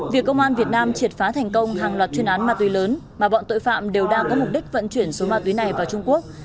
việc công an việt nam triệt phá thành công hàng loạt chuyên án ma túy lớn mà bọn tội phạm đều đang có mục đích vận chuyển số ma túy này vào trung quốc